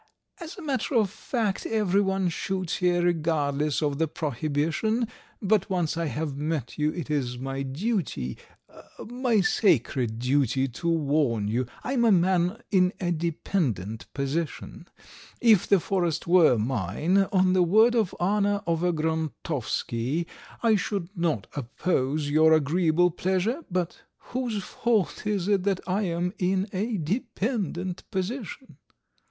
"As a matter of fact everyone shoots here regardless of the prohibition. But once I have met you, it is my duty ... my sacred duty to warn you. I am a man in a dependent position. If the forest were mine, on the word of honour of a Grontovsky, I should not oppose your agreeable pleasure. But whose fault is it that I am in a dependent position?"